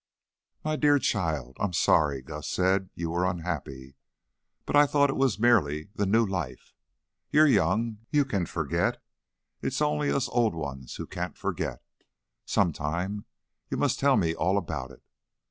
"My dear child! I'm sorry. Gus said you were unhappy, but I thought it was merely the new life. You're young; you can forget. It's only us old ones who can't forget. Sometime you must tell me all about it."